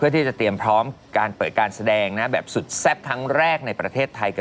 เราเห็นภาพกลั่นไหวตอนนี้นะคะ